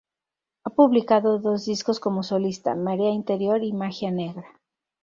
Ha publicado dos discos como solista: "Marea Interior" y "Magia Negra".